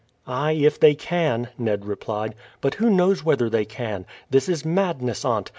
"Ay, if they can," Ned replied. "But who knows whether they can. This is madness, aunt.